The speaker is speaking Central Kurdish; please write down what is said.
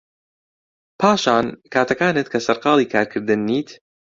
پاشان کاتەکانت کە سەرقاڵی کارکردن نیت